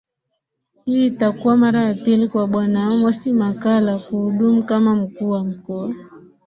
Hii itakuwa mara ya pili kwa Bwana Amos Makalla kuhudumu kama Mkuu wa mkoa